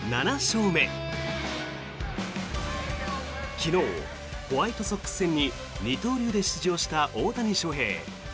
昨日、ホワイトソックス戦に二刀流で出場した大谷翔平。